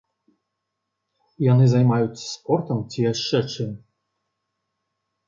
Яны займаюцца спортам ці яшчэ чым.